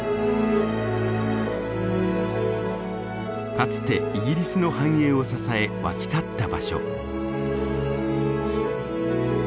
かつてイギリスの繁栄を支え沸き立った場所。